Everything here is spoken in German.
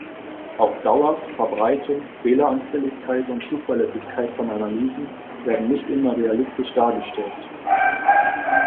Auch Dauer, Verbreitung, Fehleranfälligkeit und Zuverlässigkeit von Analysen werden nicht immer realistisch dargestellt.